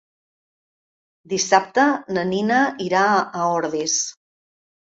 Dissabte na Nina irà a Ordis.